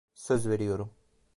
Söz veriyorum.